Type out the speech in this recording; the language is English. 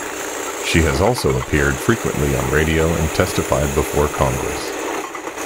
She has also appeared frequently on radio and testified before Congress.